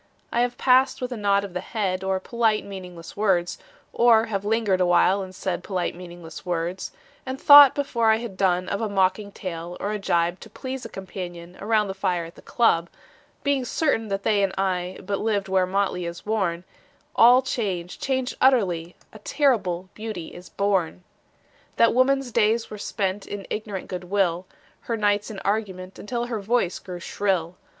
I have passed with a nod of the head Or polite meaningless words, Or have lingered awhile and said Polite meaningless words, And thought before I had done Of a mocking tale or a gibe To please a companion Around the fire at the club, Being certain that they and I But lived where motley is worn: All changed, changed utterly: A terrible beauty is born. That woman's days were spent In ignorant good will, Her nights in argument Until her voice grew shrill.